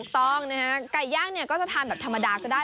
ตรงกันไก่ย่างก็จะทานธรรมดาก็ได้